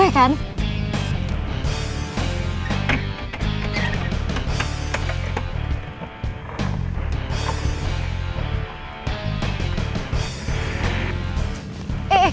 kenapa ya put